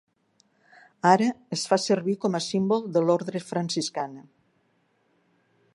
Ara es fa servir com a símbol de l'Ordre Franciscana.